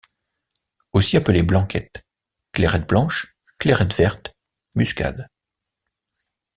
Aussi appelée blanquette, clairette blanche, clairette verte, muscade.